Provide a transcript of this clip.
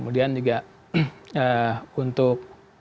kemudian juga untuk